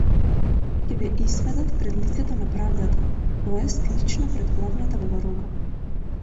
Ќе ве изведат пред лицето на правдата то ест лично пред главната бабарога!